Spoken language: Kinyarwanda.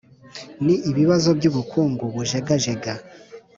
ni ibibazo by’ubukungu bujegajega